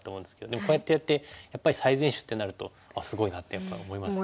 でもこうやってやってやっぱり最善手ってなるとあっすごいなってやっぱ思いますね。